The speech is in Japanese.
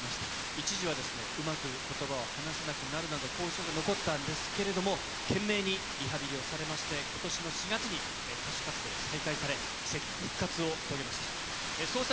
一時はうまくことばを話せなくなるなど、後遺症が残ったんですけれども、懸命にリハビリをされまして、ことしの４月に歌手活動を再開され、奇跡の復活を遂げました。